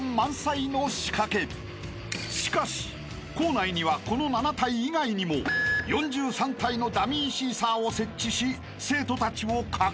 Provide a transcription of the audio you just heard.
［しかし校内にはこの７体以外にも４３体のダミーシーサーを設置し生徒たちをかく乱］